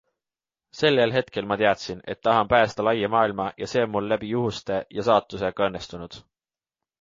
Sellel hetkel ma teadsin, et tahan pääseda laia maailma ja see on mul läbi juhuste ja saatuse ka õnnestunud.